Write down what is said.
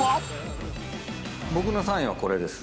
僕のサインはこれです。